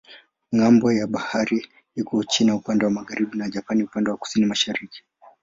Ng'ambo ya bahari iko Uchina upande wa magharibi na Japani upande wa kusini-mashariki.